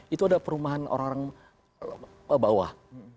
itu ada perumahan orang orang bawah